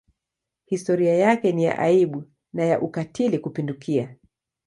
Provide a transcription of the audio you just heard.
Historia yake ni ya aibu na ya ukatili kupindukia.